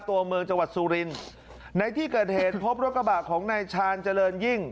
ตัวเมืองจังหวัดสุรินในที่เกิดเหตุพบรถกระบะของนายชาญเจริญยิ่ง